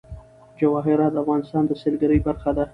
جواهرات د افغانستان د سیلګرۍ برخه ده.